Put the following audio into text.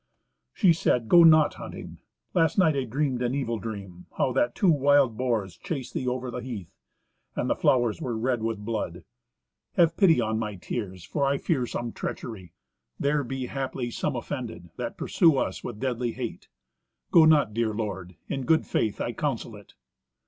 She said, "Go not hunting. Last night I dreamed an evil dream: how that two wild boars chased thee over the heath; and the flowers were red with blood. Have pity on my tears, for I fear some treachery. There be haply some offended, that pursue us with deadly hate. Go not, dear lord; in good faith I counsel it."